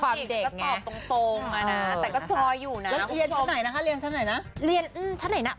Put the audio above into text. เพราะว่าด้วยความเก่งตอบตรงมานะ